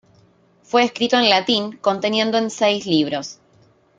Fue escrito en latín, conteniendo en seis libros.